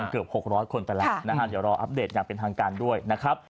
เกือบ๖๐๐คนไปแล้วนะฮะเดี๋ยวรออัปเดตอย่างเป็นทางการด้วยนะครับ